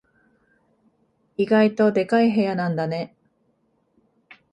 意外とでかい部屋なんだね。